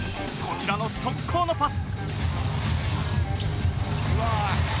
こちらの速攻のパス。